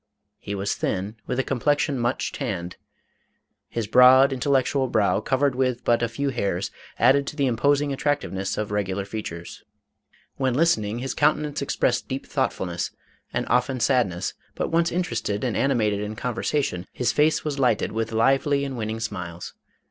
He was thin, with a complexion much tanned. His broad, intellectual brow, covered with but few hairs, added to the imposing attractiveness of regular features. When listening, his countenance expressed deep thoughtfulness and often sadness, but once interested and animated in conversa tion, his face was lighted with lively and winning smiles.